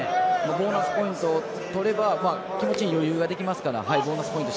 ボーナスポイント取れば気持ちに余裕ができますからボーナスポイント